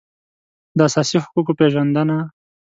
د اساسي حقوقو پېژندنه